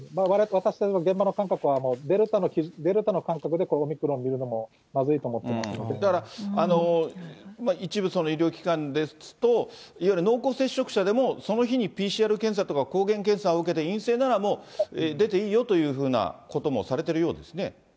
われわれというか、私、現場の感覚はもうデルタの感覚でオミクロンみるのもまずいと一部、その医療機関ですと、いわゆる濃厚接触者でもその日にＰＣＲ検査とか抗原検査を受けて、陰性なら、もう出ていいよというようなこともされてるようですね。